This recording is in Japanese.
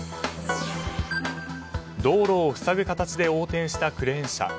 道路を塞ぐ形で横転したクレーン車。